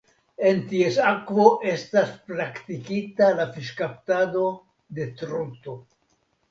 En ties akvo estas praktikita la fiŝkaptado de truto.